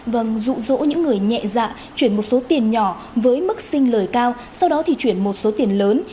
vâng rụ rỗ những người nhẹ dạ chuyển một số tiền nhỏ với mức sinh lời cao sau đó thì chuyển một số tiền lớn